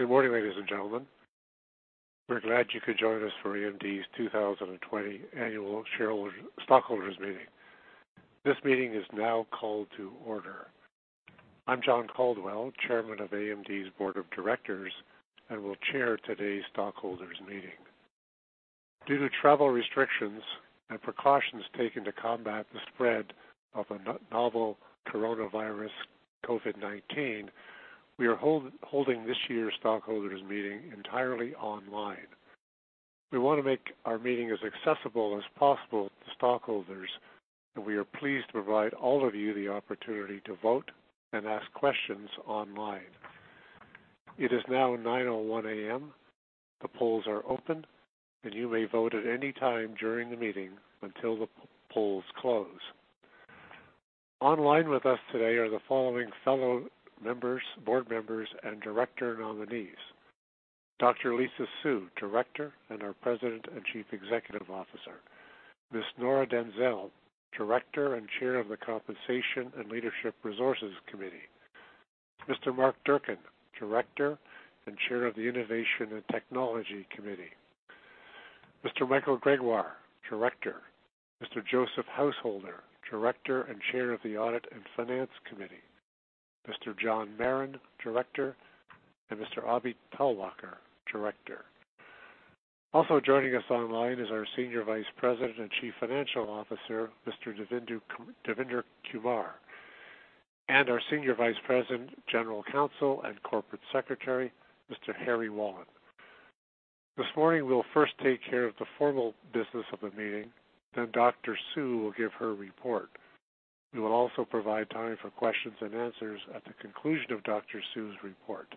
Good morning, ladies and gentlemen. We're glad you could join us for AMD's 2020 annual stockholders meeting. This meeting is now called to order. I'm John Caldwell, Chairman of AMD's Board of Directors, and will chair today's stockholders meeting. Due to travel restrictions and precautions taken to combat the spread of a novel coronavirus, COVID-19, we are holding this year's stockholders meeting entirely online. We want to make our meeting as accessible as possible to stockholders, and we are pleased to provide all of you the opportunity to vote and ask questions online. It is now 9:01 A.M. The polls are open, and you may vote at any time during the meeting until the polls close. Online with us today are the following fellow members, board members, and director nominees. Dr. Lisa Su, Director and our President and Chief Executive Officer. Ms. Nora Denzel, Director and Chair of the Compensation and Leadership Resources Committee. Mr. Mark Durcan, Director and Chair of the Innovation and Technology Committee. Mr. Michael Gregoire, Director. Mr. Joseph Householder, Director and Chair of the Audit and Finance Committee. Mr. John Marren, Director, and Mr. Abhi Talwalkar, Director. Also joining us online is our Senior Vice President and Chief Financial Officer, Mr. Devinder Kumar, and our Senior Vice President, General Counsel and Corporate Secretary, Mr. Harry Wolin. This morning, we'll first take care of the formal business of the meeting, then Dr. Su will give her report. We will also provide time for questions and answers at the conclusion of Dr. Su's report.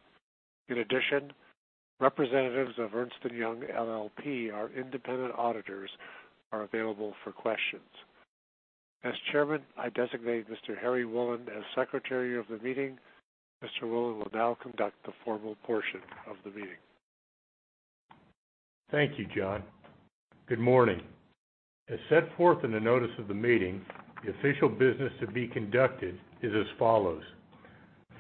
In addition, representatives of Ernst & Young LLP, our independent auditors, are available for questions. As chairman, I designate Mr. Harry Wolin as Secretary of the meeting. Mr. Wolin will now conduct the formal portion of the meeting. Thank you, John. Good morning. As set forth in the notice of the meeting, the official business to be conducted is as follows.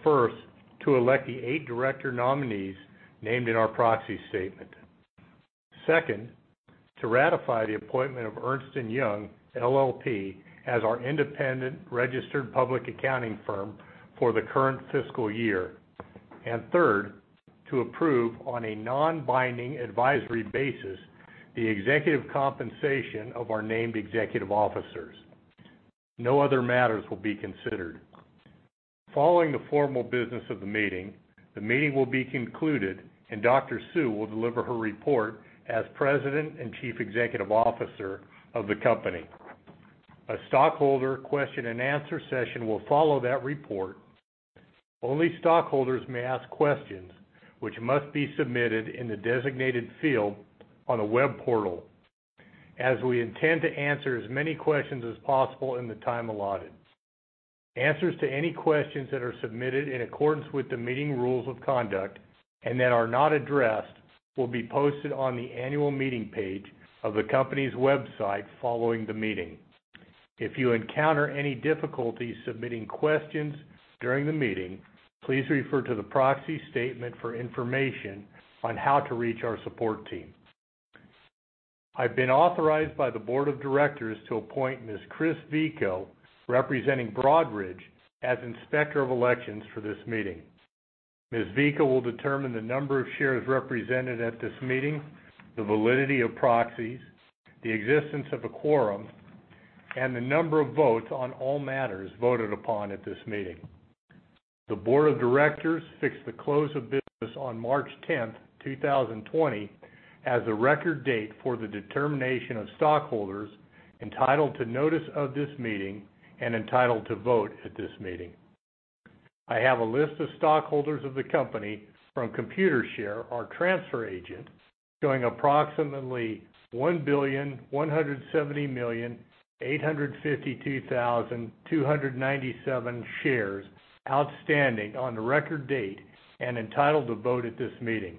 First, to elect the eight director nominees named in our proxy statement. Second, to ratify the appointment of Ernst & Young LLP as our independent registered public accounting firm for the current fiscal year. Third, to approve on a non-binding advisory basis the executive compensation of our named executive officers. No other matters will be considered. Following the formal business of the meeting, the meeting will be concluded and Dr. Su will deliver her report as President and Chief Executive Officer of the company. A stockholder question and answer session will follow that report. Only stockholders may ask questions, which must be submitted in the designated field on a web portal, as we intend to answer as many questions as possible in the time allotted. Answers to any questions that are submitted in accordance with the meeting rules of conduct and that are not addressed will be posted on the annual meeting page of the company's website following the meeting. If you encounter any difficulties submitting questions during the meeting, please refer to the proxy statement for information on how to reach our support team. I've been authorized by the board of directors to appoint Ms. Chris Vico, representing Broadridge, as Inspector of Elections for this meeting. Ms. Vico will determine the number of shares represented at this meeting, the validity of proxies, the existence of a quorum, and the number of votes on all matters voted upon at this meeting. The board of directors fixed the close of business on March 10th, 2020, as the record date for the determination of stockholders entitled to notice of this meeting and entitled to vote at this meeting. I have a list of stockholders of the company from Computershare, our transfer agent, showing approximately 1,170,852,297 shares outstanding on the record date and entitled to vote at this meeting.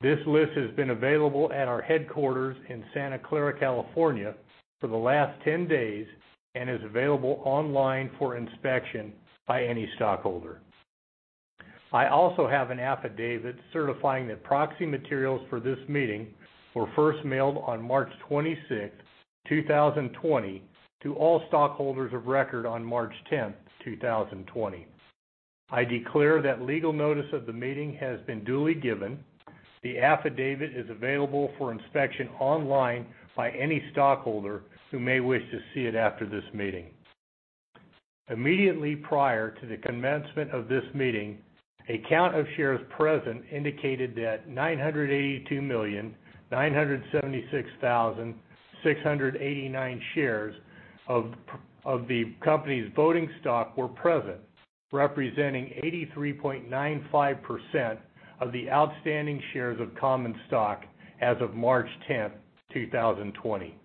This list has been available at our headquarters in Santa Clara, California for the last 10 days and is available online for inspection by any stockholder. I also have an affidavit certifying that proxy materials for this meeting were first mailed on March 26th, 2020, to all stockholders of record on March 10th, 2020. I declare that legal notice of the meeting has been duly given. The affidavit is available for inspection online by any stockholder who may wish to see it after this meeting. Immediately prior to the commencement of this meeting, a count of shares present indicated that 982,976,689 shares of the company's voting stock were present, representing 83.95% of the outstanding shares of common stock as of March 10th, 2020.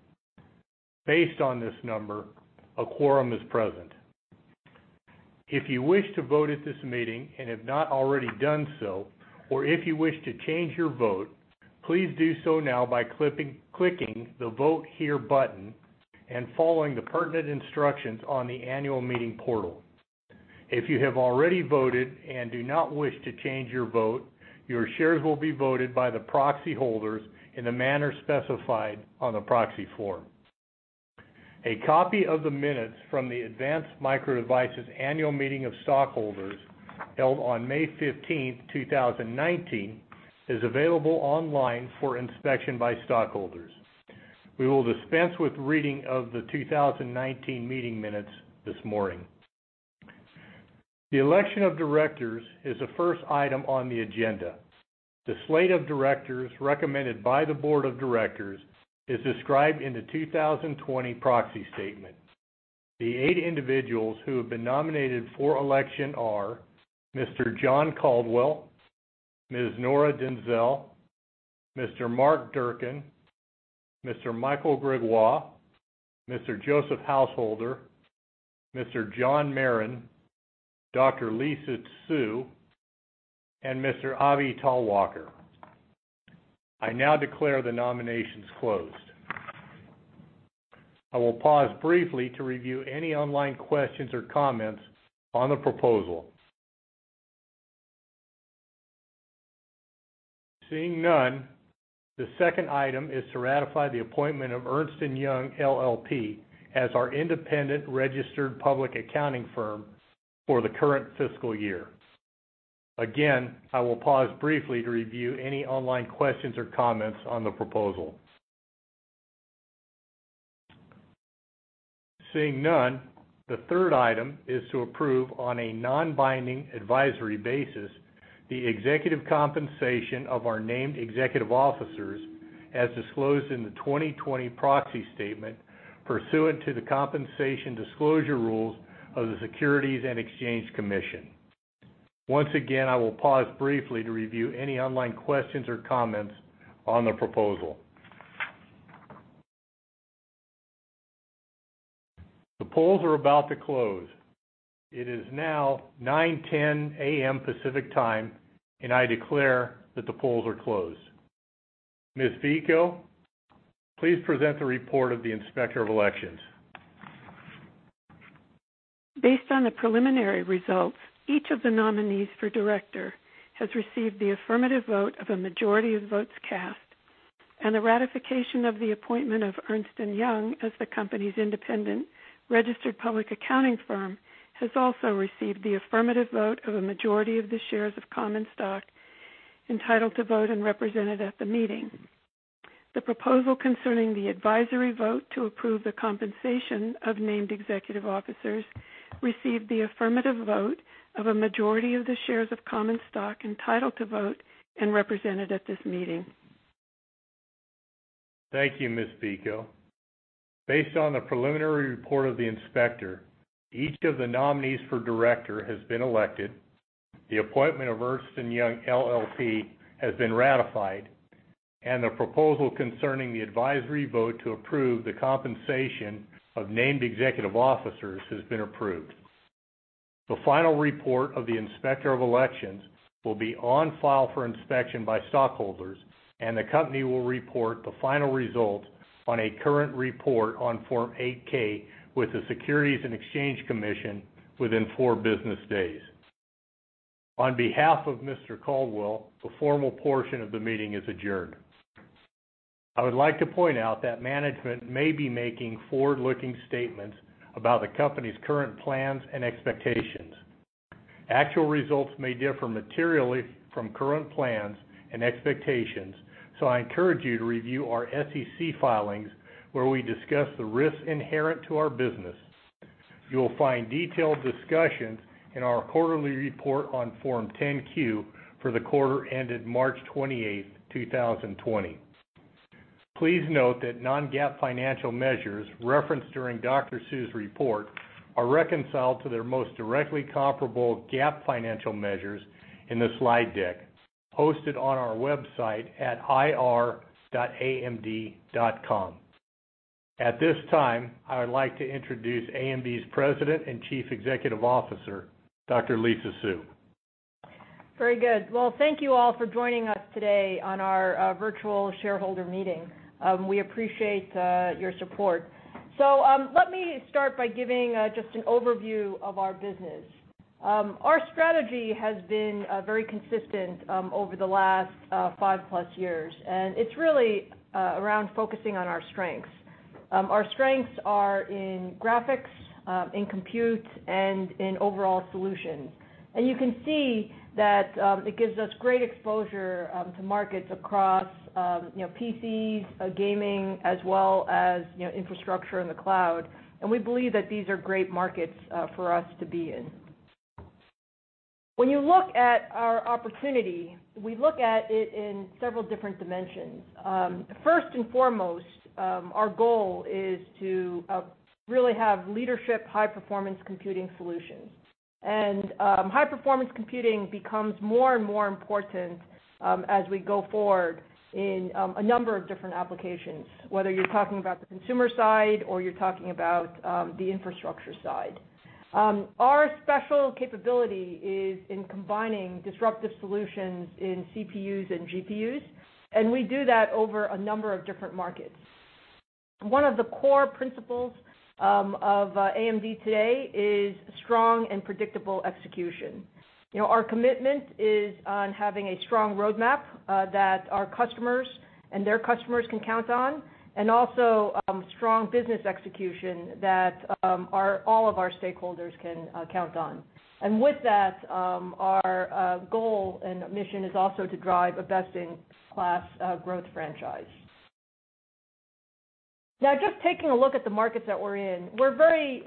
Based on this number, a quorum is present. If you wish to vote at this meeting and have not already done so, or if you wish to change your vote. Please do so now by clicking the Vote Here button and following the pertinent instructions on the annual meeting portal. If you have already voted and do not wish to change your vote, your shares will be voted by the proxy holders in the manner specified on the proxy form. A copy of the minutes from the Advanced Micro Devices Annual Meeting of Stockholders, held on May 15th, 2019, is available online for inspection by stockholders. We will dispense with reading of the 2019 meeting minutes this morning. The election of directors is the first item on the agenda. The slate of directors recommended by the board of directors is described in the 2020 proxy statement. The eight individuals who have been nominated for election are Mr. John Caldwell, Ms. Nora Denzel, Mr. Mark Durcan, Mr. Michael Gregoire, Mr. Joseph Householder, Mr. John Marren, Dr. Lisa Su, and Mr. Abhi Talwalkar. I now declare the nominations closed. I will pause briefly to review any online questions or comments on the proposal. Seeing none. The second item is to ratify the appointment of Ernst & Young LLP as our independent registered public accounting firm for the current fiscal year. Again, I will pause briefly to review any online questions or comments on the proposal. Seeing none. The third item is to approve, on a non-binding advisory basis, the executive compensation of our named executive officers as disclosed in the 2020 proxy statement pursuant to the compensation disclosure rules of the Securities and Exchange Commission. Once again, I will pause briefly to review any online questions or comments on the proposal. The polls are about to close. It is now 9:10 A.M. Pacific Time, and I declare that the polls are closed. Ms. Vico, please present the report of the Inspector of Elections. Based on the preliminary results, each of the nominees for director has received the affirmative vote of a majority of votes cast, and the ratification of the appointment of Ernst & Young as the company's independent registered public accounting firm has also received the affirmative vote of a majority of the shares of common stock entitled to vote and represented at the meeting. The proposal concerning the advisory vote to approve the compensation of named executive officers received the affirmative vote of a majority of the shares of common stock entitled to vote and represented at this meeting. Thank you, Ms. Vico. Based on the preliminary report of the Inspector, each of the nominees for director has been elected, the appointment of Ernst & Young LLP has been ratified, and the proposal concerning the advisory vote to approve the compensation of named executive officers has been approved. The final report of the Inspector of Elections will be on file for inspection by stockholders, and the company will report the final results on a current report on Form 8-K with the Securities and Exchange Commission within four business days. On behalf of Mr. Caldwell, the formal portion of the meeting is adjourned. I would like to point out that management may be making forward-looking statements about the company's current plans and expectations. Actual results may differ materially from current plans and expectations. I encourage you to review our SEC filings where we discuss the risks inherent to our business. You will find detailed discussions in our quarterly report on Form 10-Q for the quarter ended March 28th, 2020. Please note that non-GAAP financial measures referenced during Dr. Su's report are reconciled to their most directly comparable GAAP financial measures in the slide deck posted on our website at ir.amd.com. At this time, I would like to introduce AMD's President and Chief Executive Officer, Dr. Lisa Su. Very good. Well, thank you all for joining us today on our virtual stockholders meeting. We appreciate your support. Let me start by giving just an overview of our business. Our strategy has been very consistent over the last five-plus years, and it's really around focusing on our strengths. Our strengths are in graphics, in compute, and in overall solutions. You can see that it gives us great exposure to markets across PCs, gaming, as well as infrastructure in the cloud. We believe that these are great markets for us to be in. When you look at our opportunity, we look at it in several different dimensions. First and foremost, our goal is to really have leadership high-performance computing solutions. High-performance computing becomes more and more important as we go forward in a number of different applications, whether you're talking about the consumer side or you're talking about the infrastructure side. Our special capability is in combining disruptive solutions in CPUs and GPUs, and we do that over a number of different markets. One of the core principles of AMD today is strong and predictable execution. Our commitment is on having a strong roadmap that our customers and their customers can count on, and also strong business execution that all of our stakeholders can count on. With that, our goal and mission is also to drive a best-in-class growth franchise. Now, just taking a look at the markets that we're in, we're very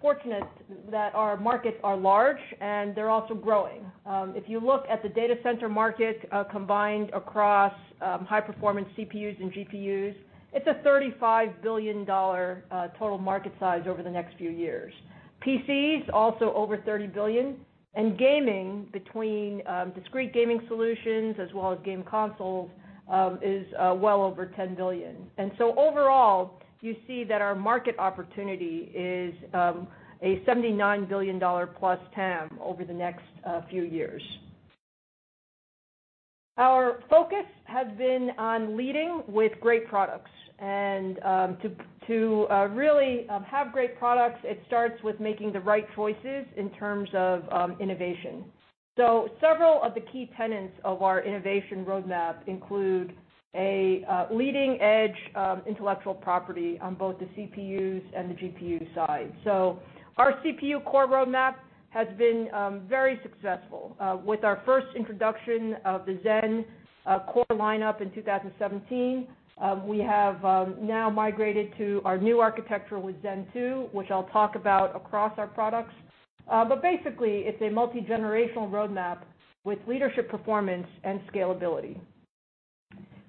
fortunate that our markets are large and they're also growing. If you look at the data center market, combined across high-performance CPUs and GPUs, it's a $35 billion total market size over the next few years. PCs, also over $30 billion. Gaming, between discrete gaming solutions as well as game consoles, is well over $10 billion. Overall, you see that our market opportunity is a $79 billion-plus TAM over the next few years. Our focus has been on leading with great products. To really have great products, it starts with making the right choices in terms of innovation. Several of the key tenets of our innovation roadmap include a leading-edge intellectual property on both the CPUs and the GPU side. Our CPU core roadmap has been very successful. With our first introduction of the Zen core lineup in 2017, we have now migrated to our new architecture with Zen 2, which I'll talk about across our products. Basically, it's a multi-generational roadmap with leadership performance and scalability.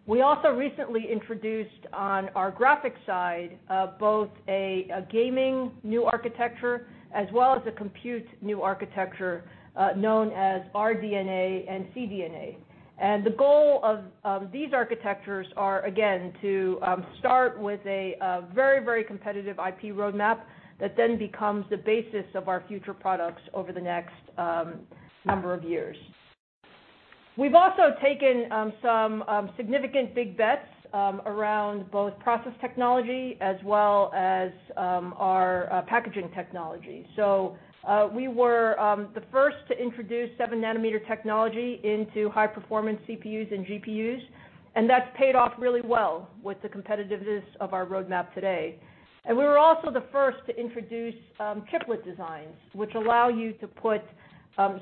We also recently introduced, on our graphics side, both a gaming new architecture as well as a compute new architecture known as RDNA and CDNA. The goal of these architectures are, again, to start with a very competitive IP roadmap that then becomes the basis of our future products over the next number of years. We've also taken some significant big bets around both process technology as well as our packaging technology. We were the first to introduce 7 nm technology into high-performance CPUs and GPUs, and that's paid off really well with the competitiveness of our roadmap today. We were also the first to introduce chiplet designs, which allow you to put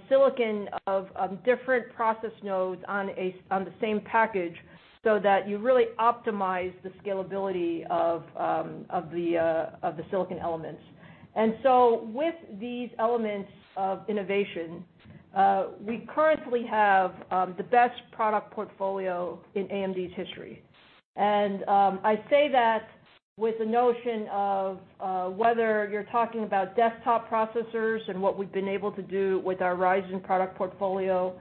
silicon of different process nodes on the same package, so that you really optimize the scalability of the silicon elements. With these elements of innovation, we currently have the best product portfolio in AMD's history. I say that with the notion of whether you're talking about desktop processors and what we've been able to do with our Ryzen product portfolio,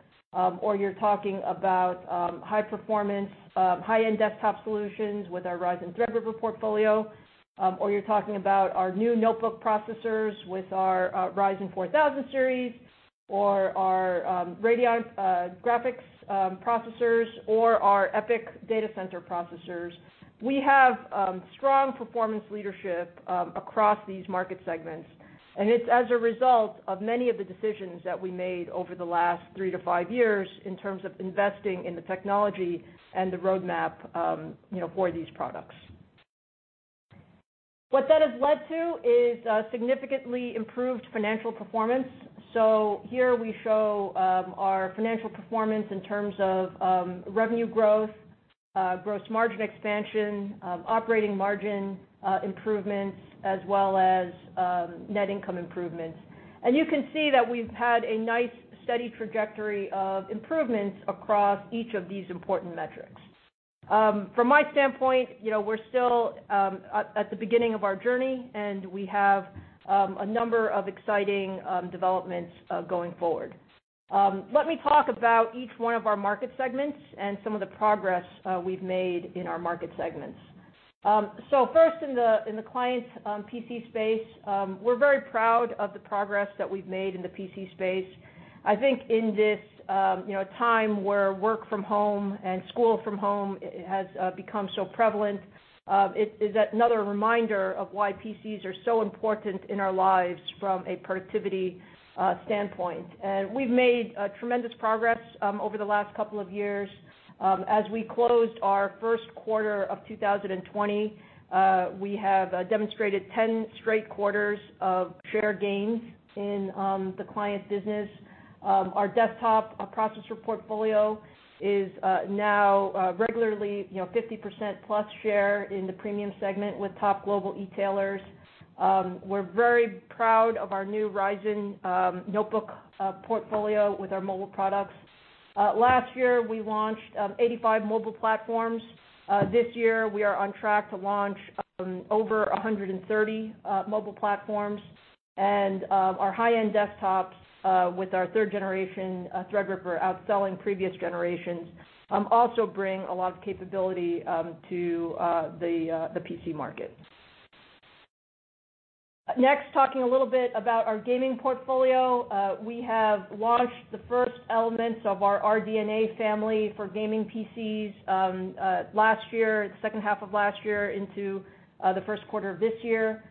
or you're talking about high-performance, high-end desktop solutions with our Ryzen Threadripper portfolio, or you're talking about our new notebook processors with our Ryzen 4,000 series, or our Radeon graphics processors or our EPYC data center processors. We have strong performance leadership across these market segments, and it's as a result of many of the decisions that we made over the last three to five years in terms of investing in the technology and the roadmap for these products. What that has led to is significantly improved financial performance. Here we show our financial performance in terms of revenue growth, gross margin expansion, operating margin improvements, as well as net income improvements. You can see that we've had a nice, steady trajectory of improvements across each of these important metrics. From my standpoint, we're still at the beginning of our journey, and we have a number of exciting developments going forward. Let me talk about each one of our market segments and some of the progress we've made in our market segments. First, in the client PC space, we're very proud of the progress that we've made in the PC space. I think in this time where work from home and school from home has become so prevalent, it is another reminder of why PCs are so important in our lives from a productivity standpoint. We've made tremendous progress over the last couple of years. As we closed our first quarter of 2020, we have demonstrated 10 straight quarters of share gains in the client business. Our desktop processor portfolio is now regularly 50%+ share in the premium segment with top global e-tailers. We're very proud of our new Ryzen notebook portfolio with our mobile products. Last year, we launched 85 mobile platforms. This year, we are on track to launch over 130 mobile platforms. Our high-end desktops with our third-generation Threadripper outselling previous generations also bring a lot of capability to the PC market. Next, talking a little bit about our gaming portfolio. We have launched the first elements of our RDNA family for gaming PCs second half of last year into the first quarter of this year.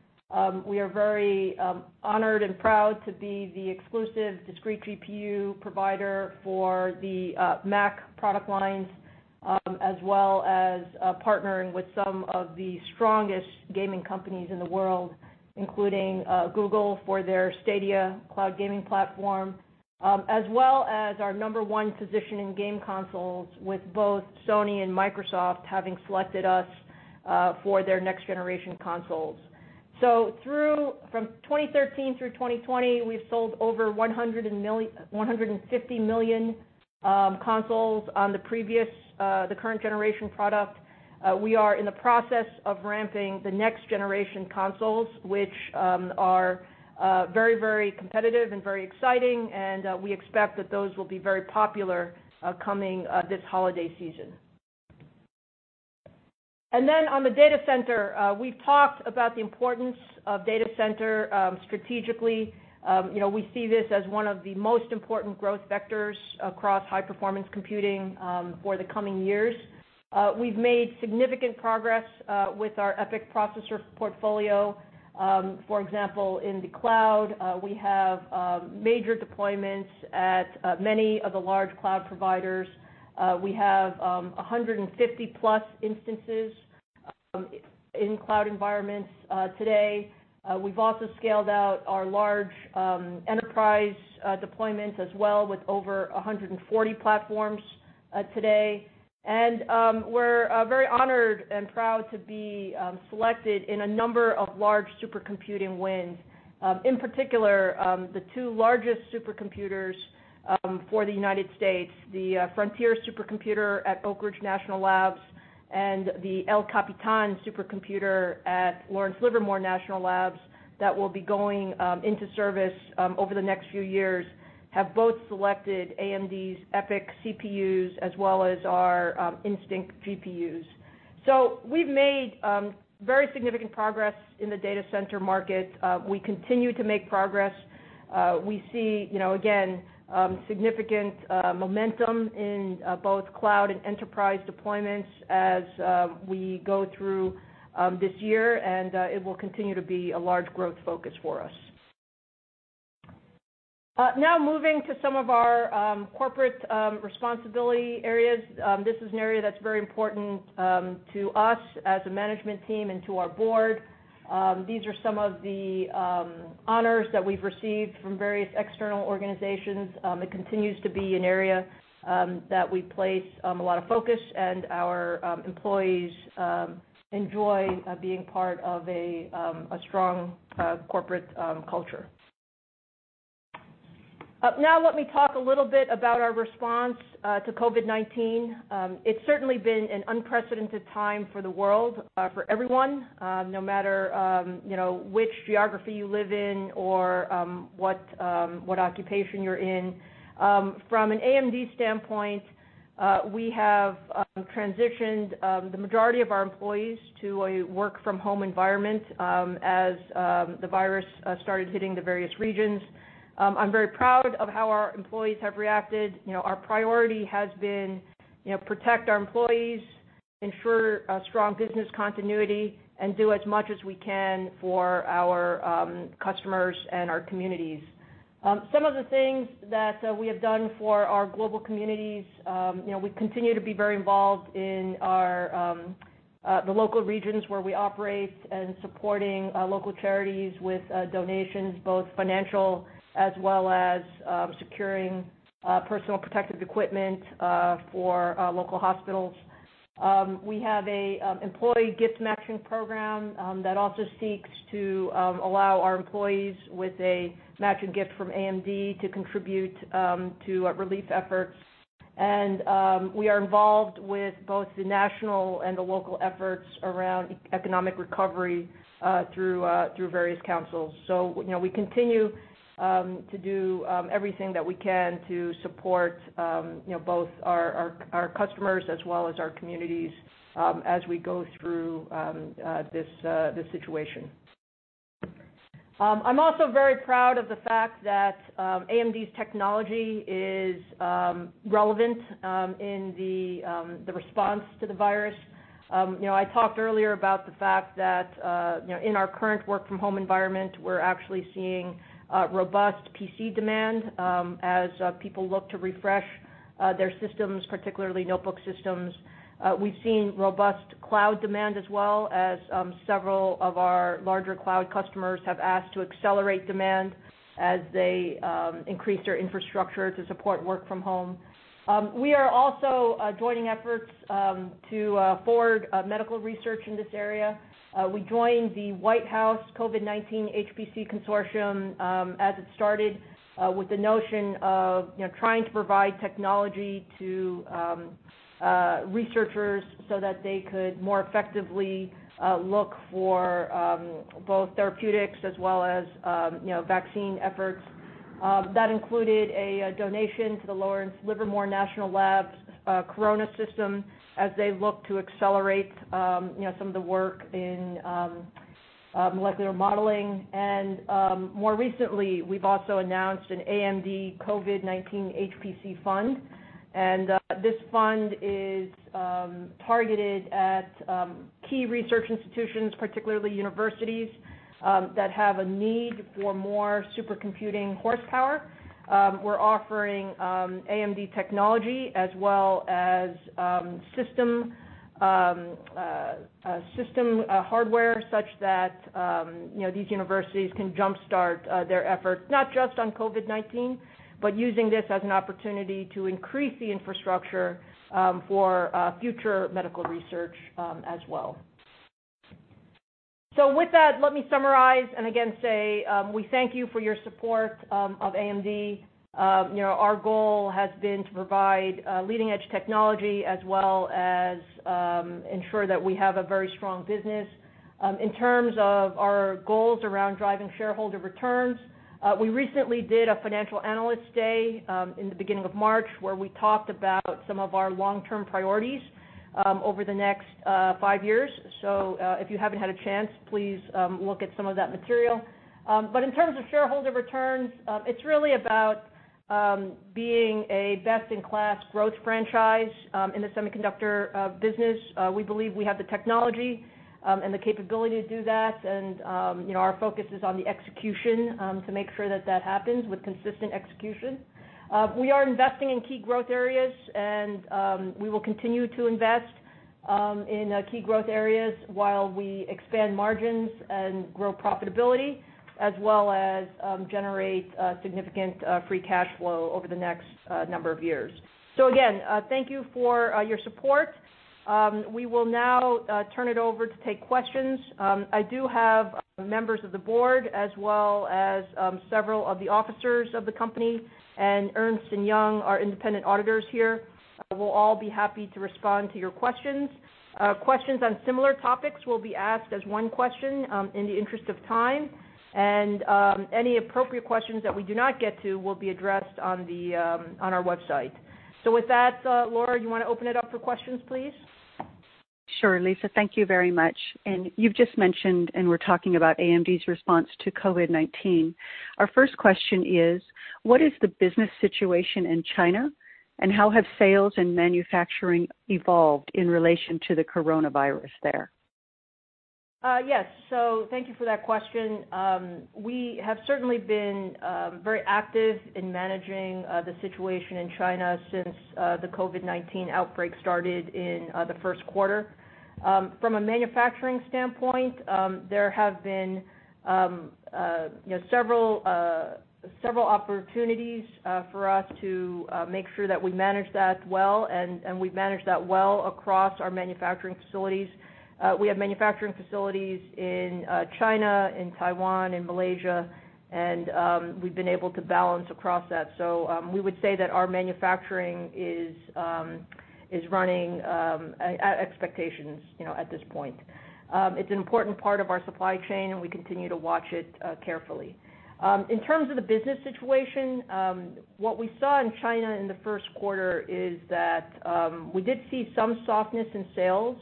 We are very honored and proud to be the exclusive discrete GPU provider for the Mac product lines, as well as partnering with some of the strongest gaming companies in the world, including Google for their Stadia cloud gaming platform. Our number one position in game consoles with both Sony and Microsoft having selected us for their next-generation consoles. From 2013 through 2020, we've sold over 150 million consoles on the current-generation product. We are in the process of ramping the next generation consoles, which are very competitive and very exciting, and we expect that those will be very popular coming this holiday season. On the data center, we've talked about the importance of data center, strategically. We see this as one of the most important growth vectors across high performance computing for the coming years. We've made significant progress with our EPYC processor portfolio. For example, in the cloud, we have major deployments at many of the large cloud providers. We have 150+ instances in cloud environments today. We've also scaled out our large enterprise deployments as well with over 140 platforms today. We're very honored and proud to be selected in a number of large supercomputing wins. In particular, the two largest supercomputers for the United States, the Frontier supercomputer at Oak Ridge National Laboratory and the El Capitan supercomputer at Lawrence Livermore National Laboratory that will be going into service over the next few years, have both selected AMD's EPYC CPUs as well as our Instinct GPUs. We've made very significant progress in the data center market. We continue to make progress. We see, again, significant momentum in both cloud and enterprise deployments as we go through this year, and it will continue to be a large growth focus for us. Moving to some of our corporate responsibility areas. This is an area that's very important to us as a management team and to our board. These are some of the honors that we've received from various external organizations. It continues to be an area that we place a lot of focus, and our employees enjoy being part of a strong corporate culture. Let me talk a little bit about our response to COVID-19. It's certainly been an unprecedented time for the world, for everyone, no matter which geography you live in or what occupation you're in. From an AMD standpoint, we have transitioned the majority of our employees to a work from home environment as the virus started hitting the various regions. I'm very proud of how our employees have reacted. Our priority has been protect our employees, ensure a strong business continuity, and do as much as we can for our customers and our communities. Some of the things that we have done for our global communities, we continue to be very involved in the local regions where we operate and supporting local charities with donations, both financial as well as securing personal protective equipment for local hospitals. We have an employee gift matching program that also seeks to allow our employees with a matching gift from AMD to contribute to relief efforts. We are involved with both the national and the local efforts around economic recovery through various councils. We continue to do everything that we can to support both our customers as well as our communities as we go through this situation. I'm also very proud of the fact that AMD's technology is relevant in the response to the virus. I talked earlier about the fact that in our current work from home environment, we're actually seeing robust PC demand as people look to refresh their systems, particularly notebook systems. We've seen robust cloud demand as well as several of our larger cloud customers have asked to accelerate demand as they increase their infrastructure to support work from home. We are also joining efforts to forward medical research in this area. We joined the White House COVID-19 HPC Consortium as it started with the notion of trying to provide technology to researchers so that they could more effectively look for both therapeutics as well as vaccine efforts. That included a donation to the Lawrence Livermore National Lab's Corona system as they look to accelerate some of the work in molecular modeling. More recently, we've also announced an AMD COVID-19 HPC fund. This fund is targeted at key research institutions, particularly universities that have a need for more supercomputing horsepower. We're offering AMD technology as well as system hardware such that these universities can jumpstart their efforts, not just on COVID-19, but using this as an opportunity to increase the infrastructure for future medical research as well. With that, let me summarize and again say, we thank you for your support of AMD. Our goal has been to provide leading-edge technology as well as ensure that we have a very strong business. In terms of our goals around driving shareholder returns, we recently did a financial analyst day in the beginning of March, where we talked about some of our long-term priorities over the next five years. If you haven't had a chance, please look at some of that material. In terms of shareholder returns, it's really about being a best-in-class growth franchise in the semiconductor business. We believe we have the technology and the capability to do that. And our focus is on the execution to make sure that that happens with consistent execution. We are investing in key growth areas, and we will continue to invest in key growth areas while we expand margins and grow profitability, as well as generate significant free cash flow over the next number of years. So again, thank you for your support. We will now turn it over to take questions. I do have members of the board as well as several of the officers of the company, and Ernst & Young, our independent auditors here, will all be happy to respond to your questions. Questions on similar topics will be asked as one question in the interest of time, and any appropriate questions that we do not get to will be addressed on our website. With that, Laura, do you want to open it up for questions, please? Sure, Lisa. Thank you very much. You've just mentioned, and we're talking about AMD's response to COVID-19. Our first question is, what is the business situation in China, and how have sales and manufacturing evolved in relation to the coronavirus there? Yes. Thank you for that question. We have certainly been very active in managing the situation in China since the COVID-19 outbreak started in the first quarter. From a manufacturing standpoint, there have been several opportunities for us to make sure that we manage that well, and we've managed that well across our manufacturing facilities. We have manufacturing facilities in China, in Taiwan, in Malaysia, and we've been able to balance across that. We would say that our manufacturing is running at expectations at this point. It's an important part of our supply chain, and we continue to watch it carefully. In terms of the business situation, what we saw in China in the first quarter is that we did see some softness in sales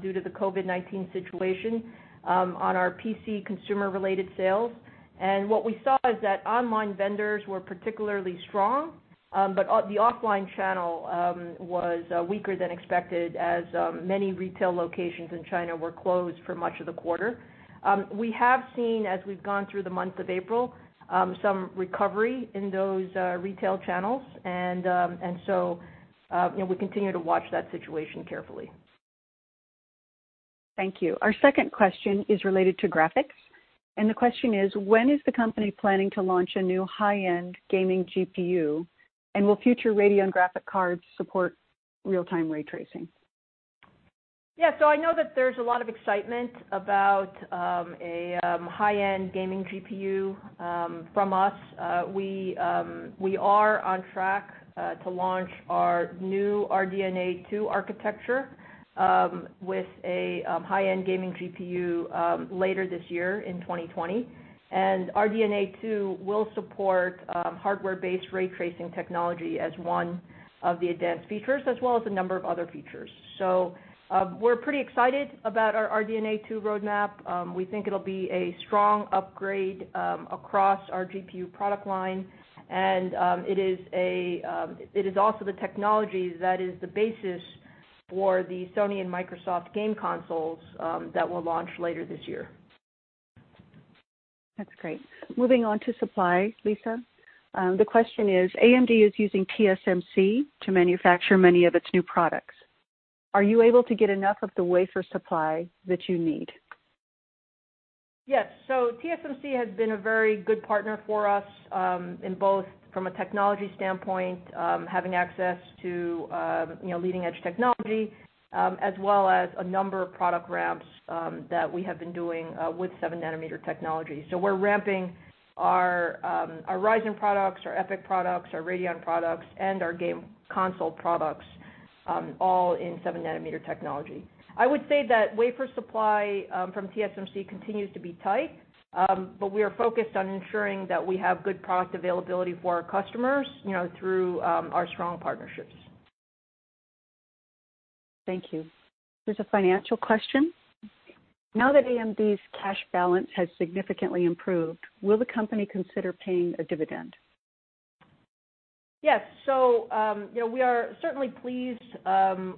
due to the COVID-19 situation on our PC consumer-related sales. What we saw is that online vendors were particularly strong, but the offline channel was weaker than expected as many retail locations in China were closed for much of the quarter. We have seen, as we've gone through the month of April, some recovery in those retail channels, we continue to watch that situation carefully. Thank you. Our second question is related to graphics, and the question is: When is the company planning to launch a new high-end gaming GPU, and will future Radeon graphic cards support real-time ray tracing? Yeah. I know that there's a lot of excitement about a high-end gaming GPU from us. We are on track to launch our new RDNA 2 architecture with a high-end gaming GPU later this year in 2020. RDNA 2 will support hardware-based ray tracing technology as one of the advanced features, as well as a number of other features. We're pretty excited about our RDNA 2 roadmap. We think it'll be a strong upgrade across our GPU product line, and it is also the technology that is the basis for the Sony and Microsoft game consoles that will launch later this year. That's great. Moving on to supply, Lisa. The question is: AMD is using TSMC to manufacture many of its new products. Are you able to get enough of the wafer supply that you need? Yes. TSMC has been a very good partner for us in both from a technology standpoint, having access to leading-edge technology, as well as a number of product ramps that we have been doing with 7 nm technology. We're ramping our Ryzen products, our EPYC products, our Radeon products, and our game console products, all in 7 nm technology. I would say that wafer supply from TSMC continues to be tight, but we are focused on ensuring that we have good product availability for our customers through our strong partnerships. Thank you. Here's a financial question. Now that AMD's cash balance has significantly improved, will the company consider paying a dividend? Yes. We are certainly pleased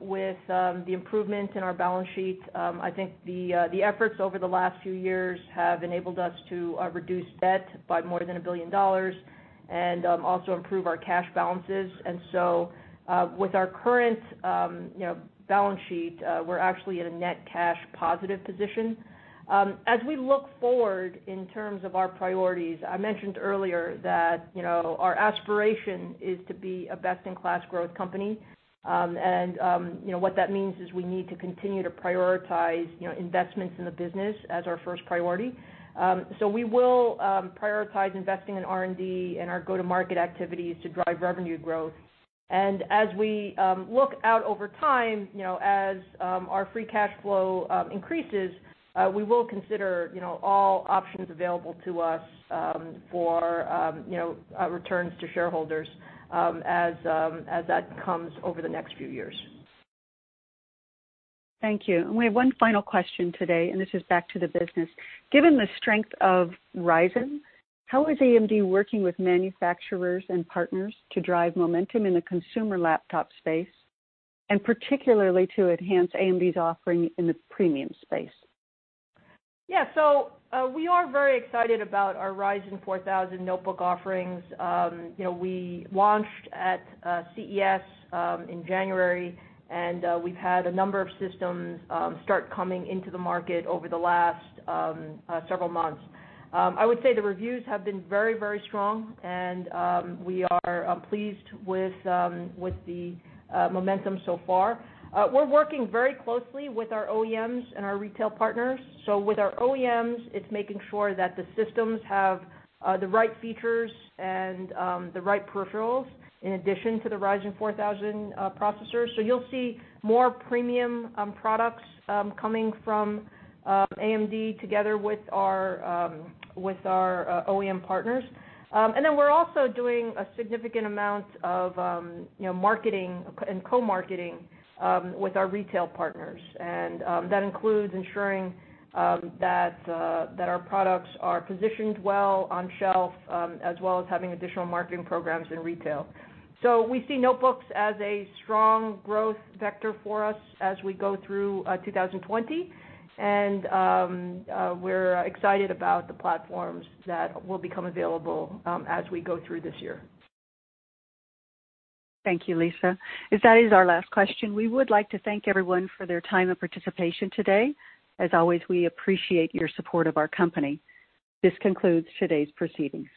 with the improvement in our balance sheets. I think the efforts over the last few years have enabled us to reduce debt by more than $1 billion and also improve our cash balances. With our current balance sheet, we're actually at a net cash positive position. As we look forward in terms of our priorities, I mentioned earlier that our aspiration is to be a best-in-class growth company. What that means is we need to continue to prioritize investments in the business as our first priority. We will prioritize investing in R&D and our go-to-market activities to drive revenue growth. As we look out over time, as our free cash flow increases, we will consider all options available to us for returns to shareholders as that comes over the next few years. Thank you. We have one final question today, and this is back to the business. Given the strength of Ryzen, how is AMD working with manufacturers and partners to drive momentum in the consumer laptop space, and particularly to enhance AMD's offering in the premium space? Yeah. We are very excited about our Ryzen 4,000 notebook offerings. We launched at CES in January, and we've had a number of systems start coming into the market over the last several months. I would say the reviews have been very, very strong, and we are pleased with the momentum so far. We're working very closely with our OEMs and our retail partners. With our OEMs, it's making sure that the systems have the right features and the right peripherals in addition to the Ryzen 4,000 processor. You'll see more premium products coming from AMD together with our OEM partners. We're also doing a significant amount of marketing and co-marketing with our retail partners, and that includes ensuring that our products are positioned well on shelf, as well as having additional marketing programs in retail. We see notebooks as a strong growth vector for us as we go through 2020, and we're excited about the platforms that will become available as we go through this year. Thank you, Lisa. As that is our last question, we would like to thank everyone for their time and participation today. As always, we appreciate your support of our company. This concludes today's proceedings.